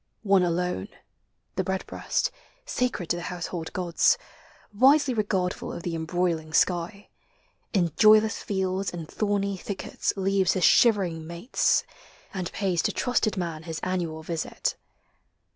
One alone. The redbreast, sacred to the household >^m\<. Wisely regardful of the embroiling sky. In joyless fields and thorny thickets leav< His shivering mates, and pays to trusted man His annual visit.